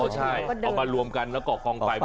อ๋อใช่เอามารวมกันและเกาะกองไป